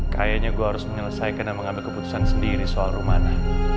kayaknya gue harus menyelesaikan dan mengambil keputusan sendiri soal rumah